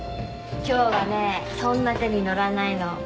今日はねそんな手に乗らないの。